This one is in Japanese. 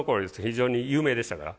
非常に有名でしたから。